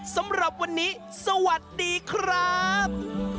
สำหรับวันนี้สวัสดีครับ